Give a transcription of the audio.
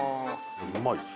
うまいっす。